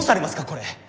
これ。